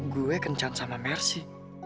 saya kencan dengan mercy